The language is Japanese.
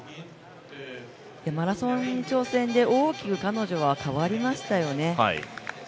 マラソン挑戦で大きく彼女は変わりましたよね。